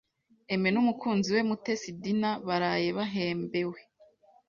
Aimé n‘umukunzi we Mutesi Dinah baraye bahembewe